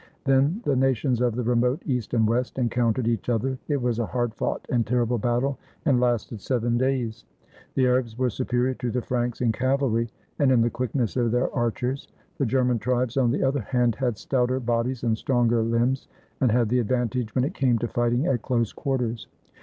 Then the nations of the remote East and West encountered each other. It was a hard fought and terrible battle, and lasted seven days. The Arabs were superior to the Franks in cavalry and in the quickness of their archers; the German tribes, on the other hand, had stouter bodies and stronger limbs, and had the advantage when it came to fighting at close quarters.